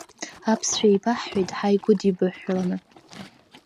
Аԥсшәа еибаҳҳәеит, ҳааигәыдибаҳәҳәаланы.